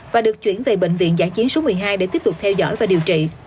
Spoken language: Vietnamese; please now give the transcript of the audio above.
và được chuyển về bệnh viện giã chiến số một mươi hai để tiếp tục theo dõi và điều trị